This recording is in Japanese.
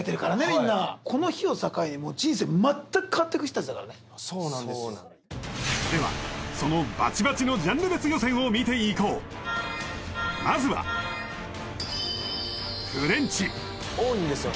みんなこの日を境に人生全く変わっていく人たちだからねそうなんですよではそのバチバチのジャンル別予選を見ていこうまずは多いんですよね